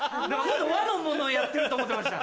和のものやってると思ってました。